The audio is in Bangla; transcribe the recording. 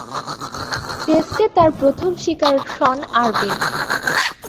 টেস্টে তার প্রথম শিকার শন আরভিন।